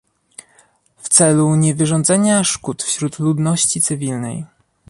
"w celu niewyrządzania szkód wśród ludności cywilnej"